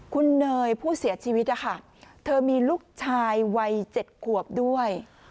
คุณเนยผู้เสียชีวิตนะคะเธอมีลูกชายวัย๗ขวบด้วย